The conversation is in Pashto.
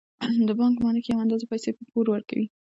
د بانک مالک یوه اندازه پیسې په پور ورکوي